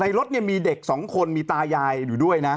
รถเนี่ยมีเด็ก๒คนมีตายายอยู่ด้วยนะ